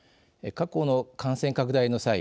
過去の感染拡大の際